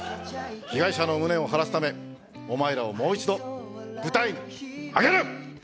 被害者の無念を晴らすためお前らをもう一度舞台に上げる！